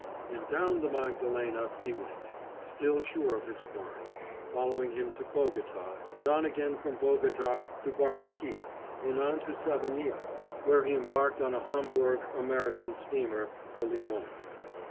And down the Magdalena he went, still sure of his quarry, following him to Bogota, and on again from Bogota to Barranquilla, and on to Savanilla, where he embarked on a Hamburg American steamer for Limon.